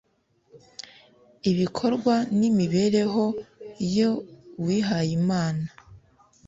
ibikorwa n imibereho y uwihayimana